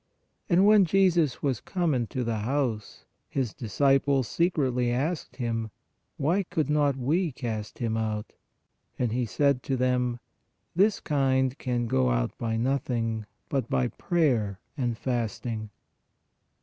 And when Jesus was come into the house, His disciples secretly asked Him: Why could not we cast him out? And He said to them : This kind can go out by nothing, but by prayer and fasting."